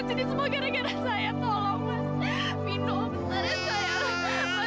jadi bukan kayaknya